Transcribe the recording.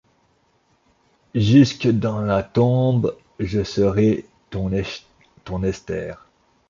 Jusque dans la tombe je serai » Ton Esther…